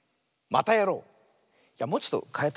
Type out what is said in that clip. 「またやろう！」。